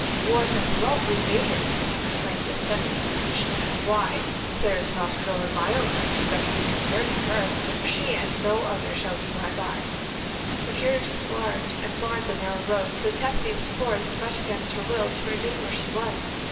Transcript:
'What a lovely maiden!' he exclaimed, as Tephany approached. 'Why, there is not a girl in my own country that can be compared to her. She, and no other, shall be my bride.' The carriage was large and barred the narrow road, so Tephany was forced, much against her will, to remain where she was.